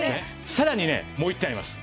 さらにねもう一点あります。